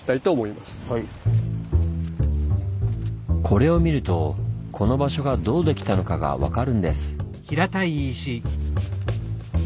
これを見るとこの場所がどう出来たのかが分かるんです。